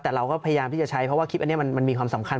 แต่เราก็พยายามที่จะใช้เพราะว่าคลิปอันนี้มันมีความสำคัญ